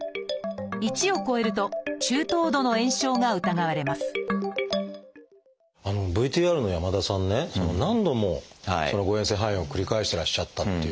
１を超えると中等度の炎症が疑われますＶＴＲの山田さんね何度も誤えん性肺炎を繰り返してらっしゃったっていう。